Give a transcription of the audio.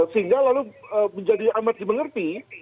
sehingga lalu menjadi amat dimengerti